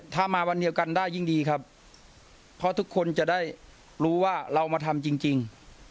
ถ้ามาวันเดียวกันได้ยิ่งดีครับเพราะทุกคนจะได้รู้ว่าเรามาทำจริง